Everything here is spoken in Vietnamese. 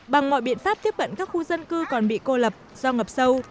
bằng mọi biện pháp thiết bận các khu dân cư còn bị cô lập do ngập sâu